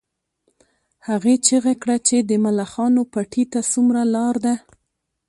هغې چیغه کړه چې د ملخانو پټي ته څومره لار ده